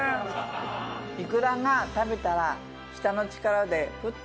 いくらが食べたら舌の力でふっと。